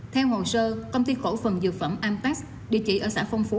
theo hồ sơ công ty cổ phần dược phẩm ampas địa chỉ ở xã phong phú